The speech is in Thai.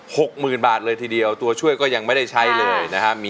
หกหมื่นบาทเลยทีเดียวตัวช่วยก็ยังไม่ได้ใช้เลยนะครับ